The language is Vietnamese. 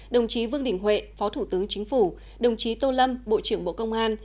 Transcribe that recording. đồng chí vương đình huệ phó thủ tướng chính phủ đồng chí tô lâm bộ trưởng bộ công an